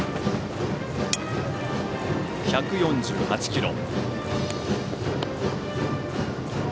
１４８キロ。